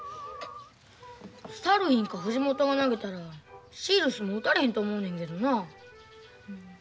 スタルヒンか藤本が投げたらシールスも打たれへんと思うねんけどな。